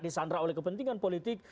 disandra oleh kepentingan politik